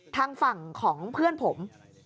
ทางฝั่งของเพื่อนผม